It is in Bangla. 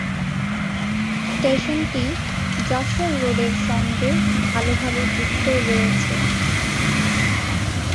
স্টেশনটি যশোর রোডের সঙ্গে ভালোভাবে যুক্ত রয়েছে।